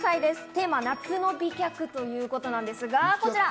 テーマは「夏の美脚」ということなんですが、こちら。